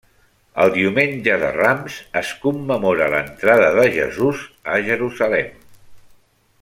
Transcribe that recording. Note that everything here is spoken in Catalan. El Diumenge de Rams es commemora l'Entrada de Jesús a Jerusalem.